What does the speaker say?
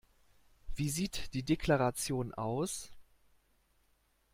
Wie sieht die Deklaration aus?